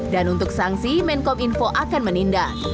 dan untuk sanksi menkom info akan menindak